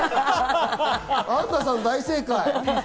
アンナさん、大正解。